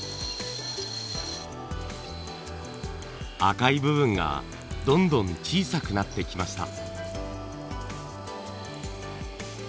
赤い部分がどんどん小さくなってきました。